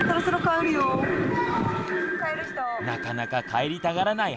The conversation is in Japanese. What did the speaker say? なかなか帰りたがらないはるあくん。